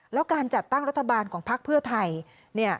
แล้วการจัดตั้งรัฐบาลของพักเพื่อไทย